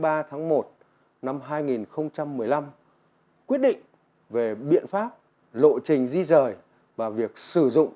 quyết định về biện pháp lộ trình di rời và việc sử dụng các quỹ đất sau khi di rời các cơ sở sản xuất công nghiệp cơ sở y tế cơ sở đào tạo và các cơ quan đơn vị ở trong khu vực nội đô ra bên ngoài